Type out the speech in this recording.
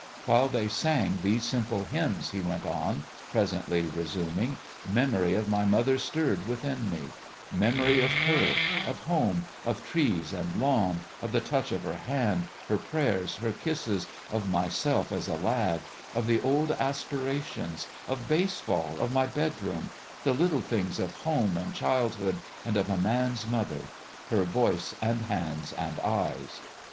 "While they sang these simple hymns," he went on, presently resuming, " memory of my mother stirred within me memory of her, of home, of trees and lawn, of the touch of her hand, her prayers, her kisses, of myself as a lad, of the old aspirations, of baseball, of my bed room the little things of home and childhood and of a man's mother her voice and hands and eyes.